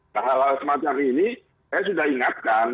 nah hal hal semacam ini saya sudah ingatkan